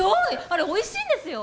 あれおいしいんですよ。